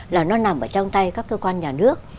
là nó nằm ở trong tay các cơ quan nhà nước